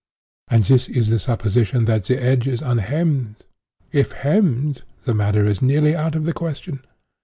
And this in the supposition that the edge is unhemmed. If hemmed, the matter is nearly out of the question.